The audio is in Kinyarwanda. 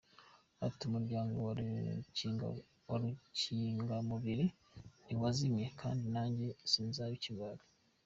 Ati “ Umuryango wa Rukingamubiri ntiwazimye , kandi nanjye sinzaba ikigwari.